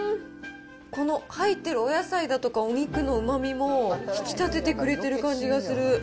この入ってるお野菜だとか、お肉のうまみも引き立ててくれてる感じがする。